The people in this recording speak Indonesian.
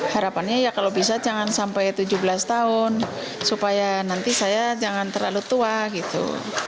harapannya ya kalau bisa jangan sampai tujuh belas tahun supaya nanti saya jangan terlalu tua gitu